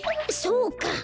そうか。